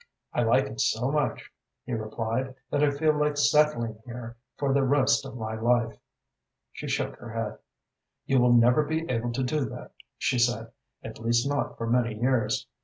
"I like it so much," he replied, "that I feel like settling here for the rest of my life." She shook her head. "You will never be able to do that," she said, "at least not for many years.